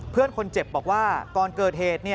เพื่อนคนเจ็บบอกว่าก่อนเกิดเหตุ